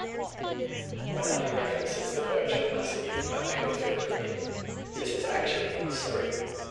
When Ali references the Berkshire Massiv of Englefield Green, this is actually in Surrey.